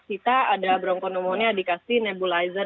sita ada bronchopneumonia dikasih nebulizer